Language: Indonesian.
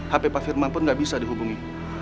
hape pak firman pun gak bisa dihubungi